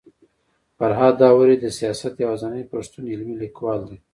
فرهاد داوري د سياست يوازنی پښتون علمي ليکوال دی